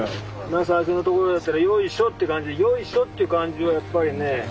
なあ最初の所だったらよいしょって感じでよいしょっていう感じはやっぱりね